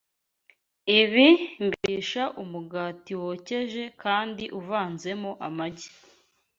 Ibi mbirisha umugati wokeje kandi uvanzemo amagi